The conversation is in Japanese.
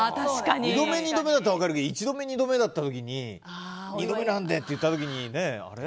２度目、２度目なら分かるけど１度目、２度目だった時に２度目なんでって言った時にあれ？